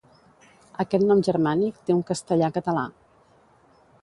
Aquest nom germànic té un Castellar català.